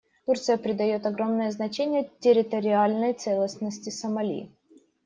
Турция придает огромное значение территориальной целостности Сомали.